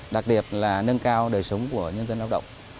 đặc điệp là nâng cao đời sống của nhân dân lao động